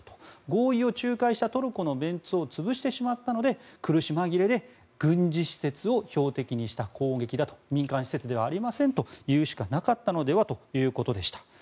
合意を仲介したトルコのメンツを潰してしまったので苦し紛れで軍事施設を標的にした攻撃だと民間施設ではありませんと言うしかなかったのではということでした。